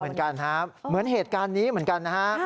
เหมือนกันครับเหมือนเหตุการณ์นี้เหมือนกันนะฮะ